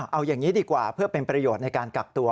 เอาอย่างนี้ดีกว่าเพื่อเป็นประโยชน์ในการกักตัว